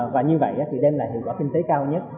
và như vậy thì đem lại hiệu quả kinh tế cao nhất